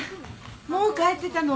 もう帰ってたの？